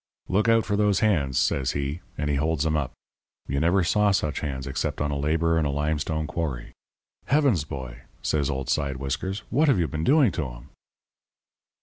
"'Look out for those hands,' says he, and he holds 'em up. You never saw such hands except on a labourer in a limestone quarry. "'Heavens, boy!' says old side whiskers, 'what have you been doing to 'em?'